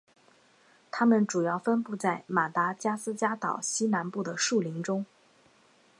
它们主要分布在马达加斯加岛西南部的树林中。